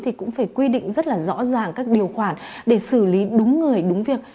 thì cũng phải quy định rất là rõ ràng các điều khoản để xử lý đúng người đúng việc